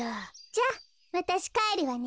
じゃあわたしかえるわね。